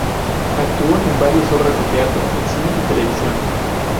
Actuó en varias obras de teatro, en cine y televisión.